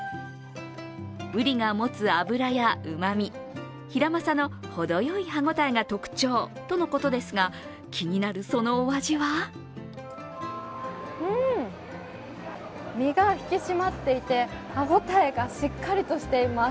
ブリが持つ脂やうまみ、ヒラマサのほどよい歯ごたえが特徴とのことですが気になる、そのお味は身が引き締まっていて歯応えがしっかりしています。